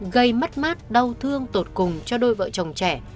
gây mất mát đau thương tột cùng cho đôi vợ chồng trẻ